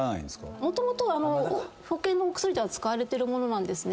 もともと保険のお薬では使われている物なんですね。